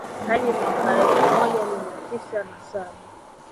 hadi mwaka elfu moja mia tisa na saba